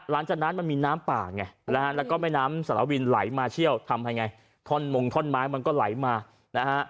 หลังจากนั้นมันมีน้ำป่าไงนะฮะแล้วก็แม่น้ำสารวินไหลมาเชี่ยวทำยังไงท่อนมงท่อนไม้มันก็ไหลมานะฮะ